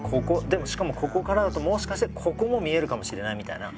でもしかもここからだともしかしてここも見えるかもしれないみたいな。